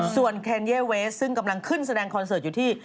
ส่วนแคนเย่เวสซึ่งกำลังขึ้นแสดงคอนเสิร์ตอยู่ที่